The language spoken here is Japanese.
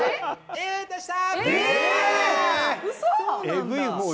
Ａでした！